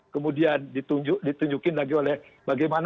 kemudian ditunjukin lagi oleh bagaimana